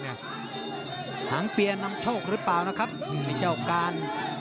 หางเปียร์นำโชคหรือเปล่านะครับไอ้เจ้าการ